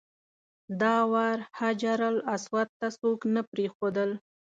دا وار حجرالاسود ته څوک نه پرېښودل.